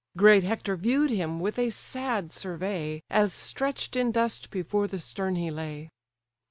Great Hector view'd him with a sad survey, As stretch'd in dust before the stern he lay.